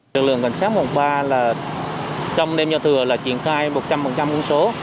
lực lượng cảnh sát quận ba là trong đêm giao thừa là triển khai một trăm linh quân số